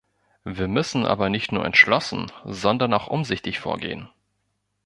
Wir müssen aber nicht nur entschlossen, sondern auch umsichtig vorgehen.